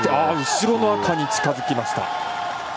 後ろの赤に近づけました。